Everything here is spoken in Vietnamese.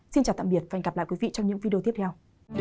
xin chào và hẹn gặp lại quý vị trong những video tiếp theo